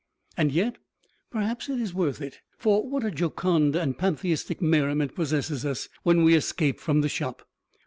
And yet, perhaps it is worth it, for what a jocund and pantheistic merriment possesses us when we escape from the shop!